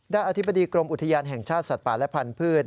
อธิบดีกรมอุทยานแห่งชาติสัตว์ป่าและพันธุ์